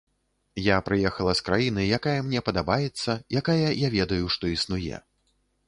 Я прыехала з краіны, якая мне падабаецца, якая, я ведаю, што існуе.